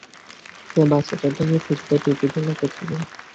সে বাচ্চাদের দেখে খুশিতে টুপি দোলাতে থাকে।